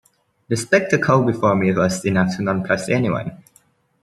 The spectacle before me was enough to nonplus anyone.